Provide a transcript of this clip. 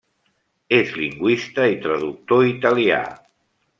És lingüista i traductor italià.